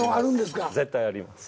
絶対あります。